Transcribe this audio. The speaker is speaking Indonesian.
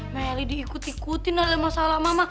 melly diikut ikutin oleh masalah mama